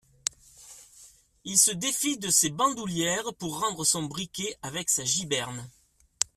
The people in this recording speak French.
Il se défit de ses bandoulières pour rendre son briquet avec sa giberne.